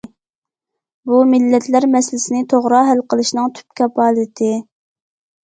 بۇ مىللەتلەر مەسىلىسىنى توغرا ھەل قىلىشنىڭ تۈپ كاپالىتى.